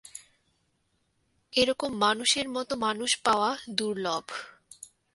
এরকম মানুষের মতো মানুষ পাওয়া দুর্লভ।